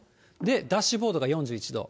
ダッシュボードが４１度。